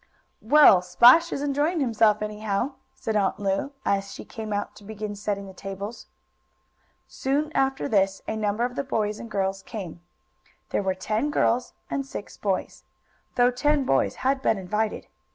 "Well, Splash is enjoying himself anyhow," said Aunt Lu, as she came out to begin setting the tables. Soon after this a number of the boys and girls came. There were ten girls and six boys, though ten boys had been invited.